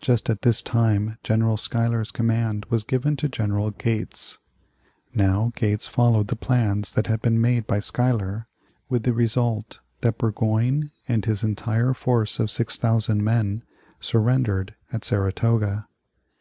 Just at this time General Schuyler's command was given to General Gates. Now Gates followed the plans that had been made by Schuyler, with the result that Burgoyne and his entire force of 6,000 men surrendered at Saratoga.